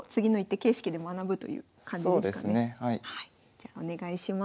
じゃあお願いします。